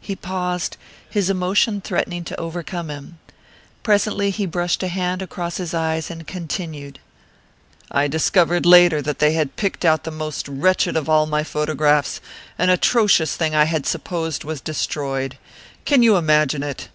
He paused, his emotion threatening to overcome him. Presently he brushed a hand across his eyes and continued, "I discovered later that they had picked out the most wretched of all my photographs an atrocious thing I had supposed was destroyed. Can you imagine it?"